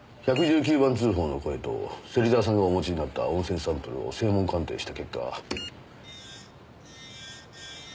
１１９番通報の声と芹沢さんがお持ちになった音声サンプルを声紋鑑定した結果。